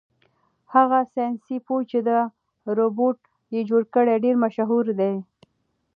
هغه ساینس پوه چې دا روبوټ یې جوړ کړ ډېر مشهور دی.